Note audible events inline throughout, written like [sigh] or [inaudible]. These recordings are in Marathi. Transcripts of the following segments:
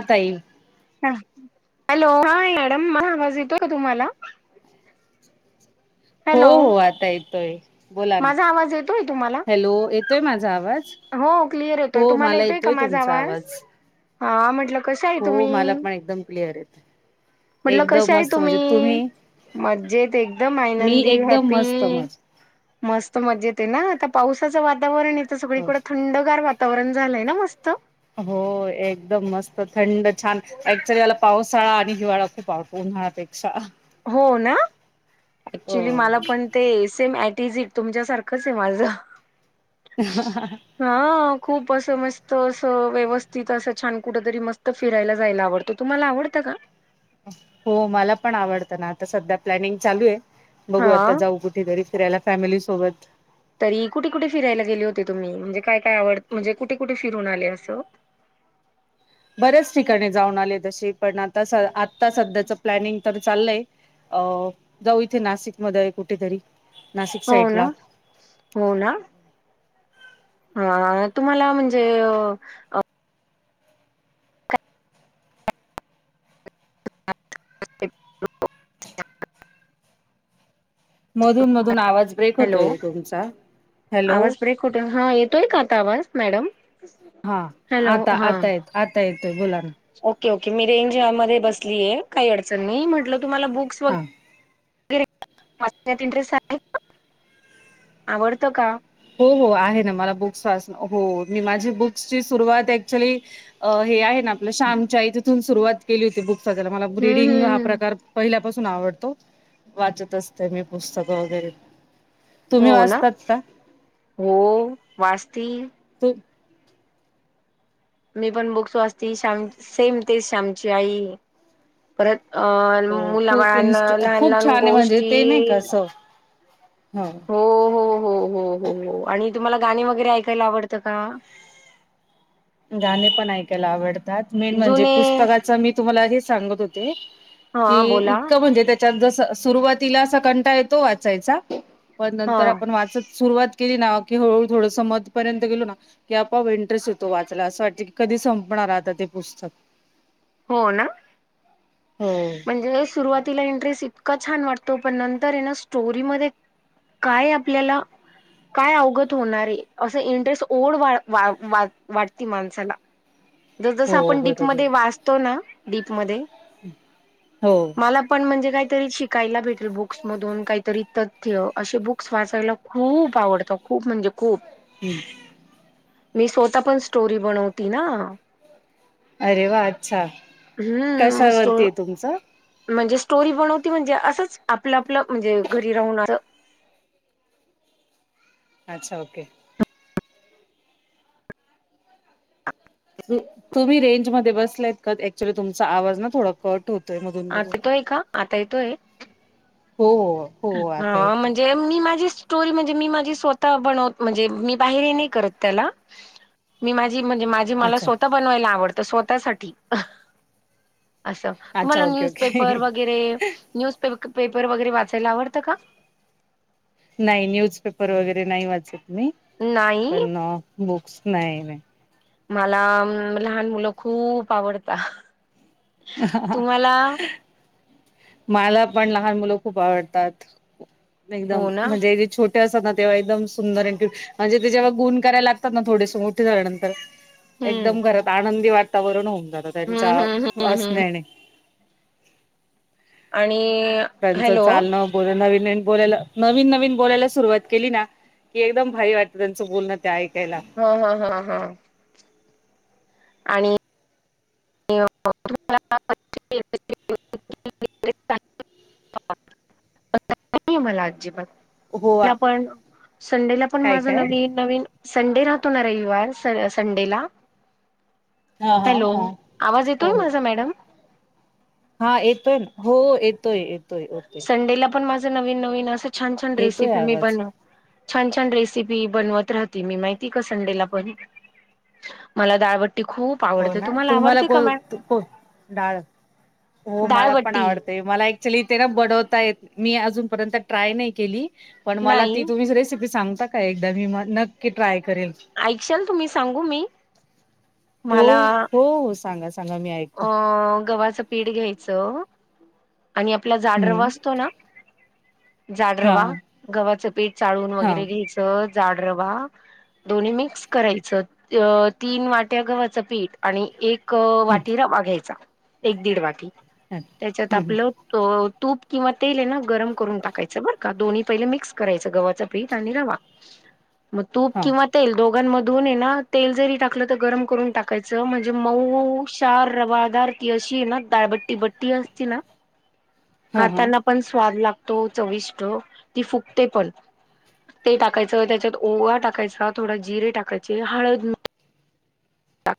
आता ईल. हा. हॅलो, हा मॅडम म आवाज येतोय का तुम्हाला? हो, हॅलो हो, आता येतोय. बोला ना माझा आवाज येतोय तुम्हाला? हॅलो येतोय माझा आवाज हो क्लिअर येतोय, हो तुम्हाला मला येतोय का माझा तुमचा आवाज? हा म्हटलं कसंय हो मला तुम्ही? पण एकदम क्लिअर ये. म्हटल कश्या आहे तुम्ही? मज्जेत एकदम मी आनंदी एकदम हॅपी. मस्त मज मस्त मजेतय आहे ना, आता पावसाचं वातावरणये तर सगळीकडं थंडगार वा तावरण झालंय ना मस्त. हो, एकदम मस्त थंड छान ऍक्च्युली मला पावसाळा आणि हिवाळा खूप आवडतो उन्हाळापेक्षा. हो ना ऍक्च्युली मला पण ते सेम एटिजिट तुमच्यासारखंच आहे माझं. ह [unintelligible] हा खूप असं मस्त असं व्यवस्थित असं छान कुठ तरी मस्त फिरायला जायला आवडत. ते तुम्हाला आवडतं का? हो मला पण आवडतं ना आता सध्या प्लॅनिंग चालू आहे बघू आता हा जाऊ कुठेतरी. फिरायला फॅमिली सोबत. तरी कुठे, कुठे फियला गेले होते तुम्ही? म्हणजे काय, काय आव म्हणजे कुठे, कुठे फिरून आले अस? बऱ्याच ठिकाणी जाऊन आले तसे पण आता, आता सध्याच प्लॅनिंग तर चाललंय अ जाऊ इथे नाशिक आहे कुठेतरी. नाशिक हो ना, साईडला हो ना. हा तुम्हाला म्हणजे ह [unintelligible] मधून, मधून आवाज ब्रेक हॅलो होतोय तुमचा, हॅलो. कुठ येतोय का आता आवाज मॅडम? हा हॅलो आता, हा आता येत आता येतोय बुलाना. ओके, ओके मी रेंज मध्ये बसली आहे काही अडचण नाही म्हटलं तुम्हाला बुक्स वगैर हा मात इंटरेस्ट आहे का? आवडत का? हो हो आहे ना मला बुक्स वाच हो मी माझी बुक्सची सुरुवात ऍक्च्युली अ हे ना आपलं श्यामची आई तिथून सुरुवात केली होती बुक वाचायला मला हम्म रिडिंग हम्म हा हम्म प्रकार पहिल्यापासून आवडतो वाचत असते मी पुस्तक वगैरे. तुम्ही हो ना वाचतात का? हो वाचती. ते [unintelligible] मी पण बुक वाचती श्याम सेम तेच श्यामची आई. परत अ हो खूप मुलाबाळांना इन्स्ट लहान, खूप लहान छान आहे गोष्टी हम्म. हो हो हो हो हो हो आणि तुम्हाला गाणी वगैरे ऐकायला आवडतं का? गाणे पण ऐकायला आवडतात मेन म्हणजे जुने पुस्तकाच मी तुम्हाला हे सांगत होते. कि हा बोला इतकं म्हणजे त्याच्यात जस सुरुवातीला असा कंटा येतो वाचायचा. पण हा नंतर आपण वाचत सुरुवात केली ना की हळूहळू थोडंस मत पर्यंत गेलो ना की आप आपोआप इंरेस्ट येतो तो वाचाला असं वाटते की कधी संपणार आता ते पुस्तक. हो ना! हो! म्हणजे सुरुवातीला इंटरेस्ट इतका छान वाटतो, पण नंतर हे ना स्टोरीमध्ये काय आपल्याला. काय अवगत होणार हे, असं इंटरेस्ट ओढ वा-वा-वा वाटती माणसाला. ज-ज-जस हो आपण बरोबर. डीपमध्ये वाचतो ना डीपमध्ये. हो! मला पण म्हणजे काहीतरी शिकायला भेटेल बुक्स मधून काहीतरी. तथ्य असे बुक्स वाचायला खूप आवडतं, खूप म्हणजे खूप. हू! मी स्वतः पण स्टोरी बनवती ना! अरे वा अच्छा हम्म मग स्टो कशावरती हे तुमचं? म्हणजे स्टोरी बनवती म्हणजे, असंच आपलं आपलं म्हणजे घरी राहूननार. अच्छा ओके! तुम्ही रेंज मध्ये बसल्यायत का ऍक्च्युली तुमचा आवाज ना थोडा कट होत आता तोय का, आता येतोय. हो हो! आता हा येतोय म्हणजे. मी माझी स्टोरी म्हणजे, मी माझी स्वतः बनवत म्हणजे मी बाहेर ये नाही करत त्याला. मी माझी म्हणजे माझी मला अच्छा स्वतः बनवायला आवडतं, स्वतःसाठी. असं तुम्हाला अच्छा ओके ओके न्यूजपेपर वगैरे, न्यूज पेपर वगैरे वाचायला आवडतं का? नाही न्यूजपेपर वगैरे नाही वाचत मी, नाही पण बुक्स नाही नाही. मला लहान मुलं खूप आवडता तुम्हाला? माला पण लहान मुलं खूप आवडतात, एकदम हो ना म्हणजे ते छो टे असतात ना तेव्हा एकदम सुंदर न क्युट, म्हणजे ते जेव्हा गुण करायला लागतात ना थोडेस मोठे झाल्यानंतर हम्म एकदम घरात आनंदी वातावरण होऊन जातं हम्म त्यांच्या हम्म हम्म हम्म असण्याने. आणि! त्यांचं हॅलो चालणं बोल नवीन नवीन बोलायला नवीन नवीन बोलायला सुरुवात केली ना! कि एकदम भारी वाटतं त्यांचं बोलणं ते ऐकायला. हा हा हा हा! [unintelligible] [unintelligible] हो संडेला पण काय माझं काय नवीन नवीन. संडे राहतो ना रविवार सं-संडेला! हा हा हॅलो हा आवाज हो येतोय हो माझा मॅडम? हा येतोय ना, हो येतोय येत. संडेला पण माझं नवीन नवीन असं छान छान येतोय रेसिपी मी आवाज बनवं छान छान रेसिपी बनवत राहते मी, माहिती का संडेला पण. मला दाळबट्टी खूप हो आवडते ना तुम्हाला आवडते का मॅम को-को डाळ हो मला पण दाळबट्टी आवडते. मला ऍक्च्युली ते ना बडवता येत मी अजूनपर्यंत ट्राय नाही केली. पण मला नाही ती तुम्हीच रेसिपी सांगता का एकदा मी मं नक्की ट्राय करेल. आईकशाल तुम्ही सांगू मी? हो मला हो सांगा सांगा मी ऐकं अ गव्हाचं पीठ घ्यायचं आणि आपला जाड रवा हम्म असंतो ना? जाड रवा, हा गव्हाचं पीठ चाळून हा वगैरे हं घ्यायचं, जाड रवा दोन्ही मिक्स करायच. अ तीन वाट्या गव्हाचं पीठ आणि एक अ हं टी रवा घ्यायचा, एक दीड वाटी, हं त्याच्यात हं आपलं तो तूप किंवा तेल ये ना, गरम करून टाकायचं, बरं का दोन्ही पहिले मिक्स करायचं. गव्हाचा पीठ आणि रवा म तूप हा किंवा तेल दोघांमधून ये ना, तेल जरी टाकलं त गरम करून टाकायचं, म्हणजे मऊ चार रवादार की अशी ये ना दाळबट्टी बट्टी असती ना, हा हा खाताना पण स्वाद लागतो. चविष्ट ती फुगते पण ते टाकायचं, त्याच्यात ओवा टाकायचा, थोडा जिरे टाकायचे, हळद टाक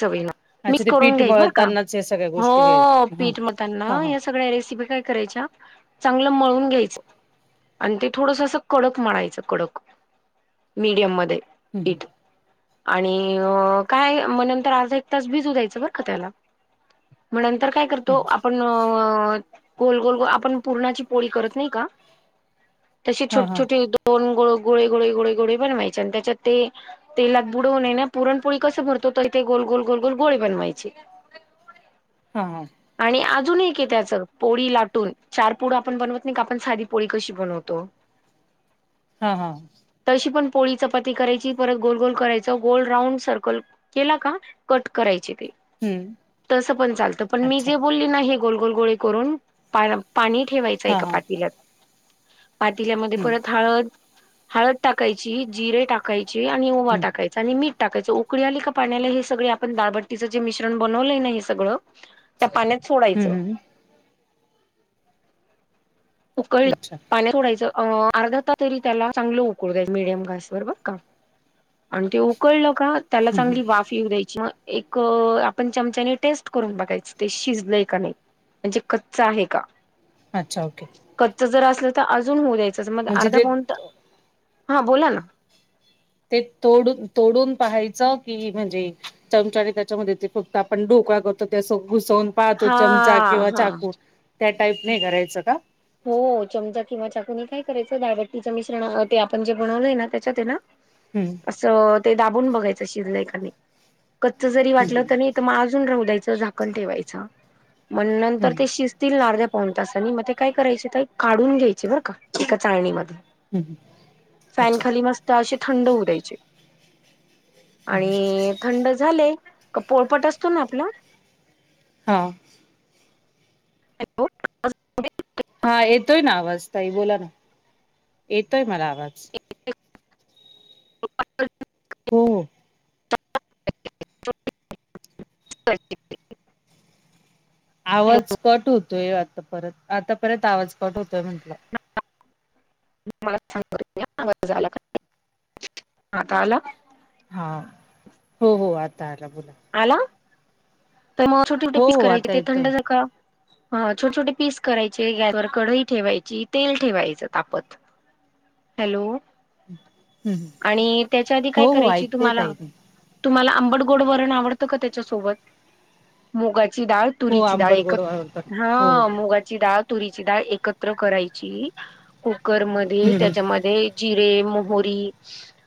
चवीला अच्छा मिक्स ते करून पीठ घ्याय बर का, मळतानाच या सगळ्या गोष्टी हे हो हा पीठ म हा त्यांना हा या सगळ्या रेसिपी काय करायच्या चांगलं मळून घ्यायचं. आणि ते थोडसं अस कडक मळायचं कडक मिडीयम मध्ये हं हं पीठ आणि य काय म नंतर एक अर्धा तास भिजू द्यायचा बरं का त्याला, म नंतर काय तर हं तो आपण अ गोल गोल आपण, पुरणाची पोळी करत नाही का तशे हा छोट हा छोटी दो दोन गो गोळे गोळे गोळे गोळे बनवायचे. आणि त्याच्यात ते तेलात बुडवून ये ना पुरणपोळी कस भरतो, तर ते गोल गोल गोल गोल गोळे बनवायचे. हा हं आणि अजून एक ये त्याचं. पोळी लाटून. चार पुड आपण बनवत नाही का? आपण साधी पोळी कशी बनवतो. [inaudible] हा हा तशी पण पोळी चपाती करायची. परत गोल गोल करायच. गोल राऊंड सर्कल केला का? कट करायचे ते. हं तसं चालतं पण चालत. पण मी अच्छा जे बो बोलली ना हे गोल गोल गोळे करून, पा पाणी ठेवायचं हा एका हा पातील्यात पातील्यामध्ये हं परत हळद, हळद टाकायची, जिरे टाक टाकायची आणि ओवा हं टाकाय च आणि मीठ टाकायचं. उकळी आली का पाण्याला. हे सगळे आपण दालबटीच जे मिश्रण बनवलंय ना हे सगळं त्या पाण्यात हं सोडायचं. हं उकळल, अच्छा पाण्यात सोडायचं. अ अर्धा तास तरी त्याला चांगलं उकळून द्यायच. मिडियम गॅसवर वर बर का. आणि ते उकळलं का त्याला हं हं चांगली वाफ येऊ द्यायची. म एक आपण चमचाने टेस्ट करून बघायचं. ते शिजलंय का नाय. म्हणजे कच्च आहे का? अच्छा ओके. कच्च जर असलं तर अजून होऊ द्यायचं. म ज म्हणजे अर्धा ते पाऊंण ता, हा बोला ना ते तोडून तोडून पाहायचं की म्हणजे चमचाने त्याच्यामध्ये ते फक्त आपण डोकळा करतो ते असं घुसवून पाहतो. हा चमचा किंवा हा चाकू. त्या टाईप नाही करायचं का? हो चमचा किंवा चाकूनी काय करायचं, दाळबट्टीच्या मिश्रणा ते आपण जे बनवलय ना. त्याच्यात ये ना हम्म सो ते दाबून बघायचं शिजलय का नाही. कच्च जरी वाटलं हं त नी म आजून राहू द्यायच. झाकण ठेवायचं. म हं नंतर ते शिजत तील ना अर्धा पाऊन तसानी. म ते काय करायचे ताई काढून घ्यायचे बरं का एका चाळणीमध्ये हं हं फॅन अच्छा. खाली मस्त असे थंड होऊ द्यायचे. आणि थंड झाले, का पोपट असतो ना आपला हा, हॅलो, [unintelligible] हा येतोय ना आवाज ताई बोला ना, येतोय मला आवाज. [unintelligible] हो हो. कट्टी आवाज कट होतोय आता परत, आता परत आवाज कट होतोय म्हंटलं. मला सांग बरं आवाज आला का [unintelligible] आता आला? हाव, हो हो, आता आला बोला. आला. त म छोटे मोटे हो पीस हो करायचे. आता ते येतोय थंड झाल का ह, छोटे छोटे पीस करायचे. गॅसवर कढई ठेवायची. तेल ठेवायचं तापत. हॅलो, हम्म आणि त्याच्या आधी काय हो हो करायची ऐकते तुम्हाला? ताई मी तुम्हाला आंबटगोड वरण आवडतं का त्याच्यासोबत? मुगाची डाळ हो तुरीची डाळ आंबट गोड एकत, आवडतात हो ह मुगाची डाळ तुरीची दाळ एकत्र करायची कुकर मध्ये हम्म त्याच्यामध्ये ध्ये जिरे, मोहोरी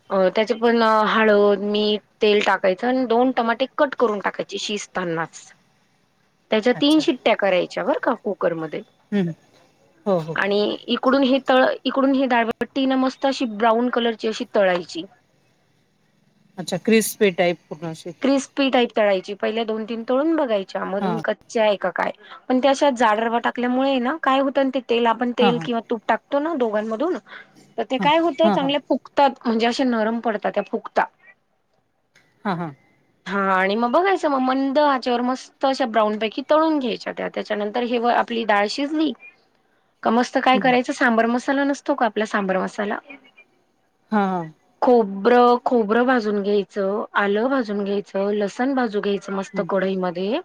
अ त्याचे पण हळद, मीठ, तेल टाकायचं आणि दोन टमाटे कट करून टाकायचे शिजतानाच. त्याच्या तीन अच्छा. शी ट्ट्या करायच्या बर का कुकरमध्ये. हम्म, हो हो. आणि इकडून हे तळ इकडून हे दाळबट्टी ना मस्त अशी ब्राऊन कलरची अशी तळायची. अच्छा क्रिस्पी टाईप पूर्ण अशी क्रिस्पी टाईप तळायची. पहिल्या दोन तीन तळून बघायच्या हा मधून कच्च्या आहे का काय पण त्या अशा जाड रवा टाकल्यामुळे ना काय होतं ते तेल आपण हा तेल हा किंवा तूप टाकतो ना, दोघांमधून तर ते हा काय होतं हा हा चांगलं फु फुकतात म्हणजे असे नरम पडतात त्या फुकता. हा हा, हा आणि मग बघायचं मग मंद आचेवर मस् त अशा ब्राउनपैकी तळून घ्यायच्या त्या. त्याच्यानंतर हेव आपली दाळ शिजली का मस्त काय हम्म करायचं. सांबर मसाला नसतो आपला सांबर मसाला हा ह, खोबरं खोबरं भाजून घ्यायचं, आलं भाजून घ्यायचं, लसण भाजून घ्याय समस्त हम्म कढईमध्ये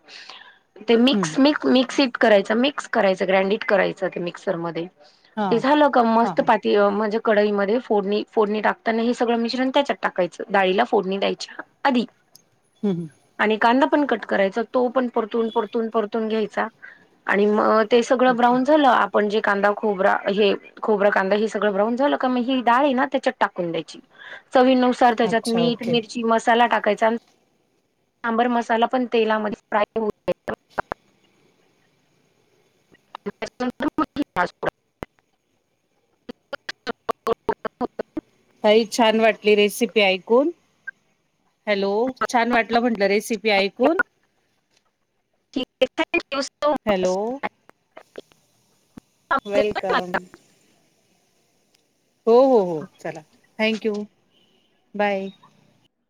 ते हम्म मिक्स मिक्स मिक्सीत करायचं, मिक्स करायचं, ग्रँडीड करायचं ते मिक्सर मध्ये. हा ते झालं का हा मस्त हा पा ते म्हणजे कढईमध्ये फोडणी फोडणी टाकताना हे सगळं मिश्रण त्याच्यात टाकायचं., डाळीला फोडणी द्यायच्या. आधी हम् हं, आणि कांदा पण कट करायचा. तो पण परतून परतून परतून घ्यायचा आणि मग ते सगळं ओके ब्राउन झालं पण जे कांदा खोबरा हे खोबरा कांदा हे सगळं ब्राऊन झालं का, मग ही दाळ आहेना त्याच्यात टाकून द्यायची. चवीनुसार त्याच्यात अच्छा मीठ, ओके मिरची मस् मसाला टाकायचा. सांबर मसाला पण तेलामध्ये फ्राय [unintelligible] तरी छान वाटली रेसिपी ऐकून. हॅलो छान वाटलं म्हटलं रेसिपी ऐकून. ठीक thank you so much. Hello welcome. हो हो हो चला थँक यू बाय.